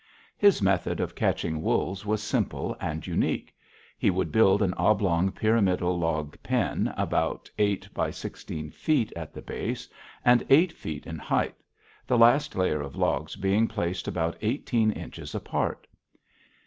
His method of catching wolves was simple and unique. He would build an oblong, pyramidal log pen about eight by sixteen feet at the base, and eight feet in height, the last layer of logs being placed about eighteen inches apart.